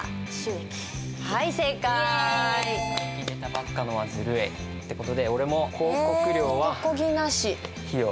さっき出たばっかのはずるいって事で俺も広告料は費用。